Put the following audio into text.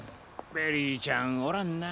ベリーちゃんおらんな。